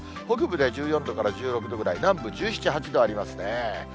北部で１４度から１６度ぐらい、南部１７、８度ありますね。